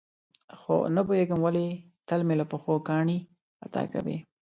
خو نه پوهېږم ولې تل مې له پښو کاڼي خطا کوي.